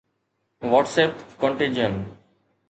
WhatsApp Contagion